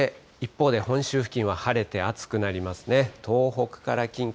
そして一方で本州付近は晴れて暑くなりますね。